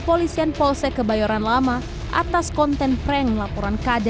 polisi akan mengumpulkan bukti bukti dan memintai keterangan saksi saksi